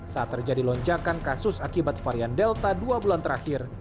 saat terjadi lonjakan kasus akibat varian delta dua bulan terakhir